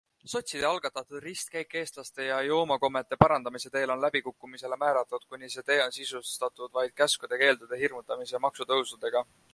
Sotside algatatud ristikäik eestlaste joomakommete parandamise teel on läbikukkumisele määratud, kuni see tee on sisustatud vaid käskude, keeldude, hirmutamise ja maksutõusudega.